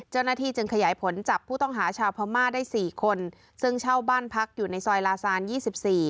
เจ้าหน้าที่จึงขยายผลจับผู้ต้องหาชาวพม่าได้สี่คนซึ่งเช่าบ้านพักอยู่ในซอยลาซานยี่สิบสี่